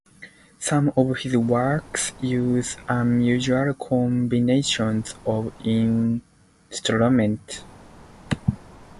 Some of his works use unusual combinations of instruments.